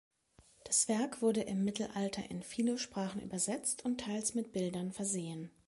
Das Werk wurde im Mittelalter in viele Sprachen übersetzt und teils mit Bildern versehen.